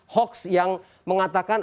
hoax yang mengatakan